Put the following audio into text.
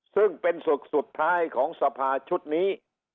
ซึ่งเป็นศึกสุดท้ายของสภาชุดนี้